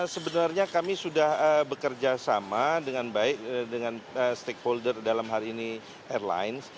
sebenarnya kami sudah bekerja sama dengan baik dengan stakeholder dalam hal ini airlines